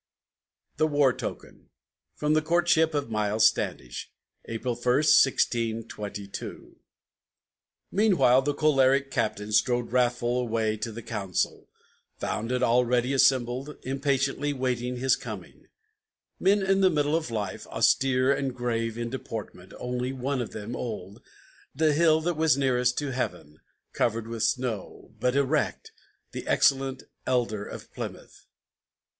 THE WAR TOKEN From "The Courtship of Miles Standish" [April 1, 1622] Meanwhile the choleric Captain strode wrathful away to the council, Found it already assembled, impatiently waiting his coming; Men in the middle of life, austere and grave in deportment, Only one of them old, the hill that was nearest to heaven, Covered with snow, but erect, the excellent Elder of Plymouth.